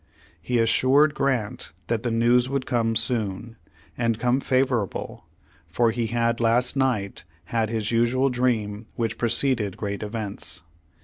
He assured Grant that the news would come soon, and come favorable, for he had last night had his usual dream which preceded great events.